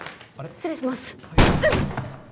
失礼しますうっ！